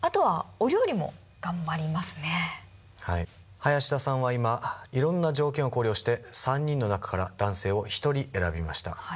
林田さんは今いろんな条件を考慮して３人の中から男性を１人選びました。